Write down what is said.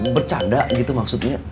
bercadak gitu maksudnya